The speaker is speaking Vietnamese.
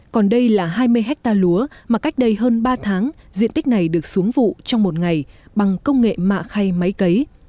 còn đây là hai mươi hectare lúa mà cách đây hơn ba tháng diện tích này được xuống vụ trong một ngày bằng công nghệ mạ khay máy cấy